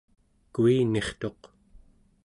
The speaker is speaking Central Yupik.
kuinirtuq